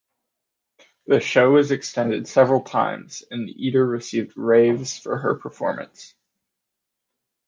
The show was extended several times, and Eder received raves for her performance.